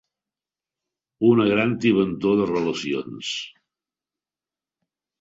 Una gran tibantor de relacions.